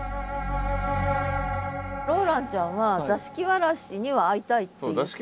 ローランちゃんは座敷わらしには会いたいって言ってる。